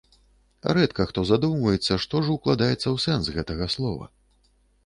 Рэдка хто задумваецца, што ж укладаецца ў сэнс гэтага слова.